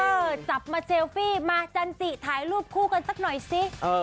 จับมาเซลฟี่มาจันจิถ่ายรูปคู่กันสักหน่อยสิ